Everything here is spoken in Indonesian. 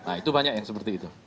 nah itu banyak yang seperti itu